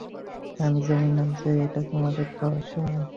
আমি জানিনা যে এটা তোমাদের খাওয়ার সময়।